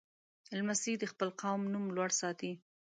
لمسی د خپل قوم نوم لوړ ساتي.